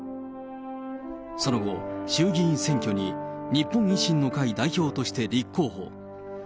その後、衆議院選挙に日本維新の会代表として立候補。